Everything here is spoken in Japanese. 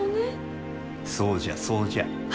そうじゃそうじゃ。